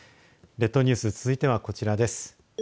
列島ニュース続いては、こちらです。